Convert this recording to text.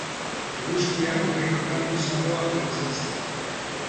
Eguzkia gero eta goizago agertzen zen.